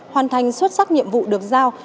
hoàn thành xuất sắc nhiệm vụ được giao